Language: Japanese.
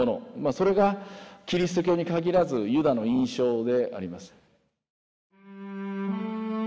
それがキリスト教に限らずユダの印象であります。